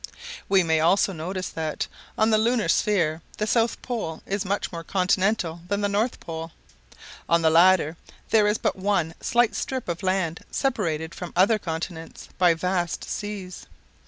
We may also notice that, on the lunar sphere, the south pole is much more continental than the north pole. On the latter, there is but one slight strip of land separated from other continents by vast seas.